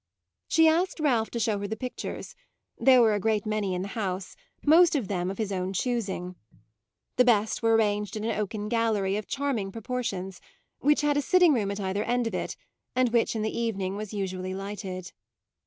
She asked Ralph to show her the pictures; there were a great many in the house, most of them of his own choosing. The best were arranged in an oaken gallery, of charming proportions, which had a sitting room at either end of it and which in the evening was usually lighted.